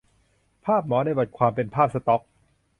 ภาพหมอในบทความเป็นภาพสต็อก